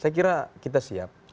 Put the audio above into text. saya kira kita siap